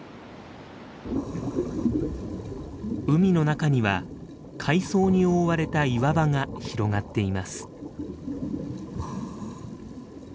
海の中には海藻に覆われた岩場が広がっています。